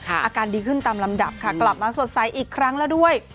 อาการดีขึ้นตามลำดับค่ะกลับมาสดใสอีกครั้งแล้วด้วย